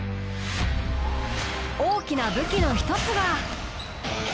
大きな武器の１つが。